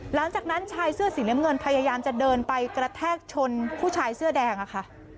หลังจากนั้นชายเสื้อสีน้ำเงินพยายามจะเดินไปกระแทกชนผู้ชายเสื้อแดงอะค่ะ